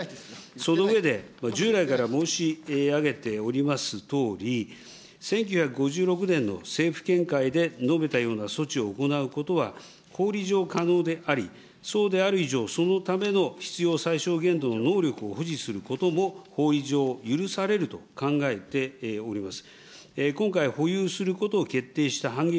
その上で、従来から申し上げておりますとおり、１９５６年の政府見解で述べたような措置を行うことは、ほうい上可能であり、そうである以上、そのための必要最小限度の能力を保持することも、ほうい上許されると考えております。